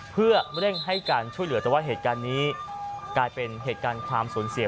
เพื่อเร่งให้การช่วยเหลือแต่ว่าเหตุการณ์นี้กลายเป็นเหตุการณ์ความสูญเสีย